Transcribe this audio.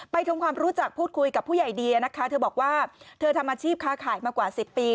ทำความรู้จักพูดคุยกับผู้ใหญ่เดียนะคะเธอบอกว่าเธอทำอาชีพค้าขายมากว่า๑๐ปี